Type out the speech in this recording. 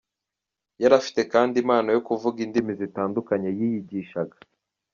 Yari afite kandi impano yo kuvuga indimi zitandukanye yiyigishaga.